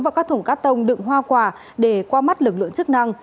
vào các thùng cát tông đựng hoa quả để qua mắt lực lượng chức năng